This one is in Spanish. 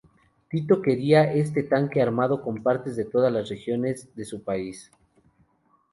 Tito quería este tanque armado con partes de todas las regiones de su país.